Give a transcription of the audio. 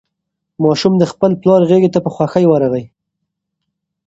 ماشوم د خپل پلار غېږې ته په خوښۍ ورغی.